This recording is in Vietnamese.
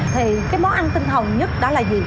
thì cái món ăn tinh thần nhất đó là gì